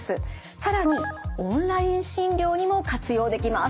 更にオンライン診療にも活用できます。